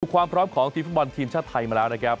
ความพร้อมของทีมฟุตบอลทีมชาติไทยมาแล้วนะครับ